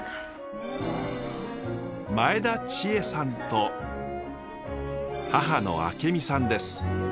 前田千恵さんと母の明美さんです。